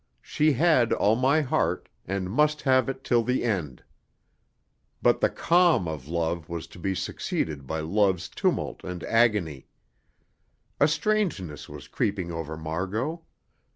She had all my heart, and must have it till the end. But the calm of love was to be succeeded by love's tumult and agony. A strangeness was creeping over Margot.